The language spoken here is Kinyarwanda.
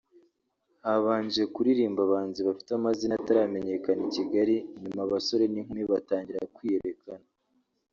habanje kuririmba abahanzi bafite amazina ataramenyekana i Kigali nyuma abasore n’inkumi batangira kwiyerekana